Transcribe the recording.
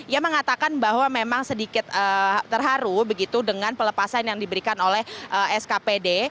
yang mengatakan bahwa memang sedikit terharu begitu dengan pelepasan yang diberikan oleh skpd